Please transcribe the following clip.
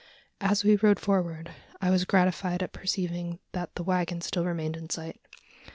As we rode forward, I was gratified at perceiving that the waggon still remained in sight.